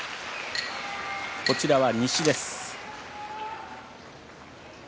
こちらは西です。